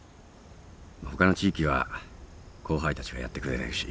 他の地域は後輩たちがやってくれてるし。